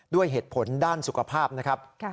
ด้วยเหตุผลด้านสุขภาพนะครับ